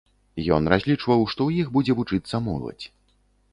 Ён разлічваў, што ў іх будзе вучыцца моладзь.